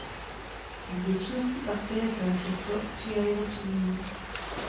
Z vděčnosti pak Pier Francesco přijal jeho příjmení.